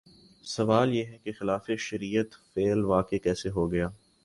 سوال یہ ہے کہ ایک خلاف شریعت فعل واقع کیسے ہوگا؟